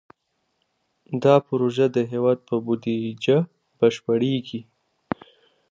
دا پروژه د هېواد په بودیجه بشپړېږي.